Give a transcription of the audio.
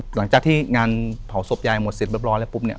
หลังจากที่งานเผาศพยายหมดเสร็จเรียบร้อยแล้วปุ๊บเนี่ย